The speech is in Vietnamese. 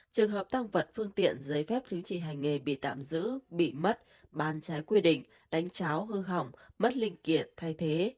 trường hợp tăng vật phương tiện giấy phép chứng chỉ hành nghề bị tạm giữ bị mất bán trái quy định đánh cháo hư hỏng mất linh kiện thay thế